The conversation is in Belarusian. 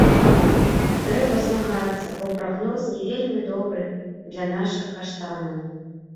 Трэба змагацца, бо прагноз не вельмі добры для нашых каштанаў.